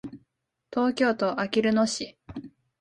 東京都あきる野市